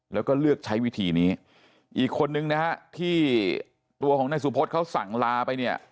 แล้วก็เลือกใช้วิธีนี้อีกคนนึงนะฮะที่ตัวของนายสุพธเขาสั่งลาไปเนี่ย